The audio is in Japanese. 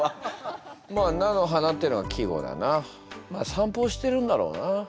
散歩をしてるんだろうな。